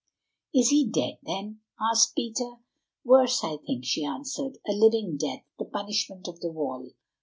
"Is he dead then?" asked Peter. "Worse, I think," she answered—"a living death, the 'Punishment of the Wall.